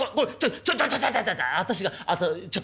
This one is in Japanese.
ちょっちょっと！